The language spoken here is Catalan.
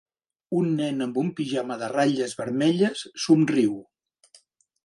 Un nen amb un pijama de ratlles vermelles somriu.